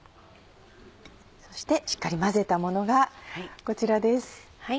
そしてしっかり混ぜたものがこちらです。